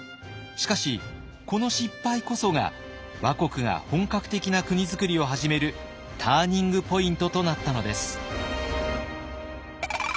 しかしこの失敗こそが倭国が本格的な国づくりを始めるターニングポイントとなったのです。